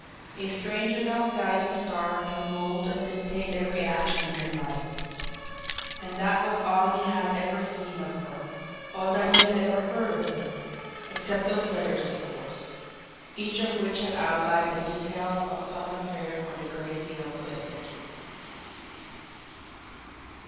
A strange enough guiding star to mould and dictate every action in his life! And that was all he had ever seen of her, all that he had ever heard of her except those letters, of course, each of which had outlined the details of some affair for the Gray Seal to execute.